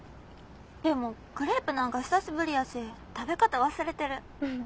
でもクレープなんか久しぶりやし食べ方忘れてる。